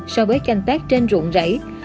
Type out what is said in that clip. so với canh tác trên ruộng rẫy